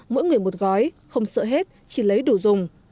mỗi người một gói không sợ hết chỉ lấy đủ dùng